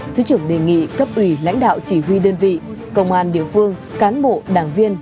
thứ trưởng đề nghị cấp ủy lãnh đạo chỉ huy đơn vị công an địa phương cán bộ đảng viên